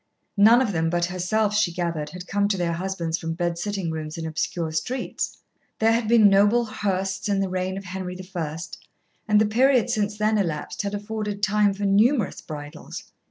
None of them but herself, she gathered, had come to their husbands from bed sitting rooms in obscure streets. There had been noble Hyrsts in the reign of Henry I., and the period since then elapsed had afforded time for numerous bridals.